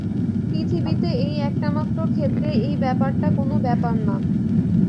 পৃথিবীতে এই একটামাত্র ক্ষেত্রেই এই ব্যাপারটা কোনো ব্যাপার না।